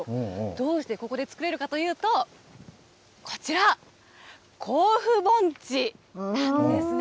どうしてここで作れるかというと、こちら、甲府盆地なんですね。